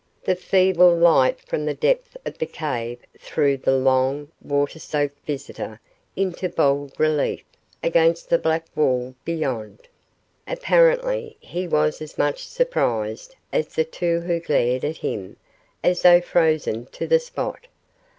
The feeble light from the depth of the cave threw the long, water soaked visitor into bold relief against the black wall beyond. Apparently, he was as much surprised as the two who glared at him, as though frozen to the spot.